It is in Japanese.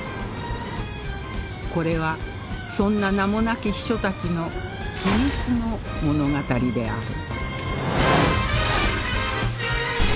これはそんな名もなき秘書たちの秘密の物語である